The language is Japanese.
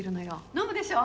飲むでしょ？